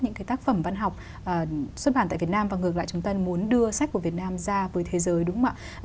những cái tác phẩm văn học xuất bản tại việt nam và ngược lại chúng ta muốn đưa sách của việt nam ra với thế giới đúng không ạ